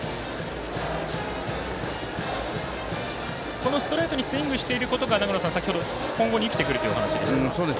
このストレートにスイングしていることが長野さん、先ほど今後に生きてくるというお話でした。